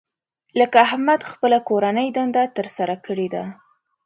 لکه احمد خپله کورنۍ دنده تر سره کړې ده.